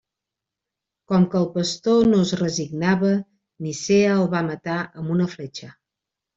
Com que el pastor no es resignava, Nicea el va matar amb una fletxa.